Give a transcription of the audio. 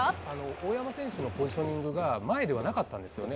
大山選手のポジショニングが前ではなかったんですよね。